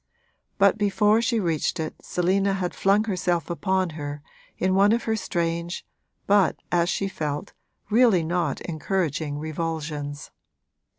But before she reached it Selina had flung herself upon her in one of her strange but, as she felt, really not encouraging revulsions.